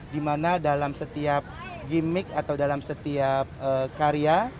di mana dalam setiap gimmick atau dalam setiap karya